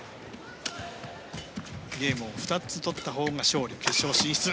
ゲームを２つ取ったほうが勝利。